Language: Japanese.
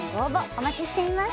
お待ちしています